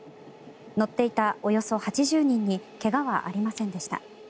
乗っていたおよそ８０人に怪我はありませんでした。